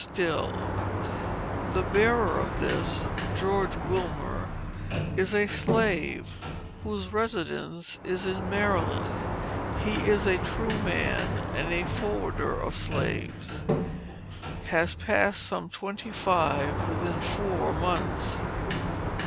STILL: The bearer of this, George Wilmer, is a slave, whose residence is in Maryland. He is a true man, and a forwarder of slaves. Has passed some twenty five within four months.